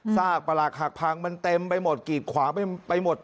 ซากประหลักหักพังมันเต็มไปหมดกีดขวางไปหมด